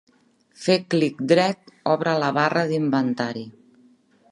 Fer clic dret obre la barra d'inventari.